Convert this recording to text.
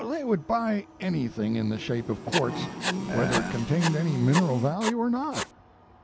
They would buy anything. in the shape of quartz, whether it contained any mineral value or not.